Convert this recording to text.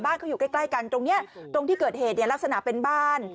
เขาอยู่ใกล้กันตรงนี้ตรงที่เกิดเหตุเนี่ยลักษณะเป็นบ้าน